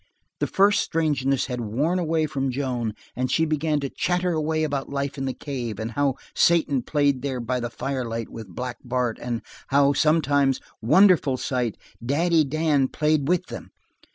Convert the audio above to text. The first strangeness had worn away from Joan and she began to chatter away about life in the cave, and how Satan played there by the firelight with Black Bart, and how, sometimes wonderful sight! Daddy Dan played with them.